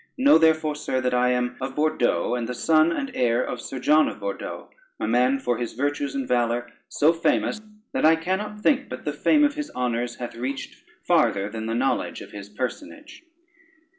Know therefore, sir, that I am of Bordeaux, and the son and heir of Sir John of Bordeaux, a man for his virtues and valor so famous, that I cannot think but the fame of his honors hath reached farther than the knowledge of his personage.